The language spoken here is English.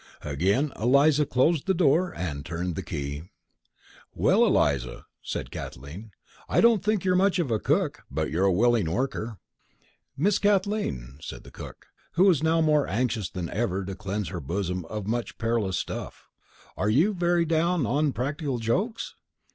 Again Eliza closed the door and turned the key. "Well, Eliza," said Kathleen, "I don't think you're much of a cook, but you're a willing worker." "Miss Kathleen," said the cook, who was now more anxious than ever to cleanse her bosom of much perilous stuff, "are you very down on practical jokes?"